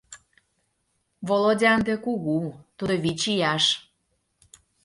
— Володя ынде кугу, тудо вич ияш.